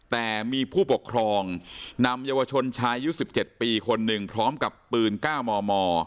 แต่มีผู้ปกครองนำเยาวชนชายุ้นสิบเจ็ดปีคนหนึ่งพร้อมกับปืนก้าวมม